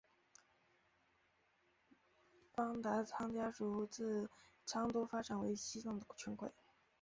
邦达仓家族自昌都发展为西藏的权贵。